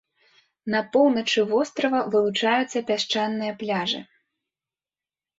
На поўначы вострава вылучаюцца пясчаныя пляжы.